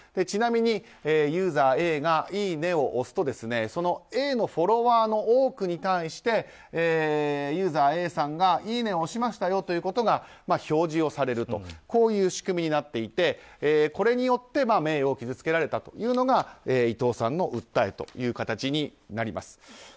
ちなみにユーザーＡがいいねを押すとそのＡのフォロワーの多くに対してユーザーＡさんが、いいねを押しましたよということが表示をされるという仕組みになっていてこれによって名誉を傷つけられたというのが伊藤さんの訴えという形になります。